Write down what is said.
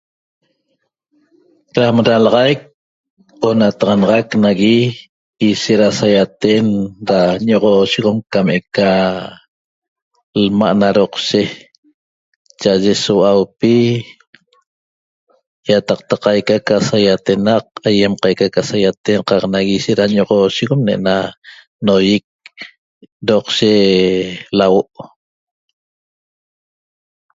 Ram dalaxaic onataxanac nagui ishet da saiaten ra ñoxosheguem cam eca lma' na roqshe cha'aye so hua'aupi iataqta qaica ca saiatenaq aiem qaica ca saiaten qaq nagui ishet ra ñoxosheguem ne'ena noiec roqshe lauo'